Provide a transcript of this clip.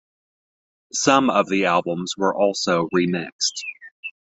Some of the albums were also remixed.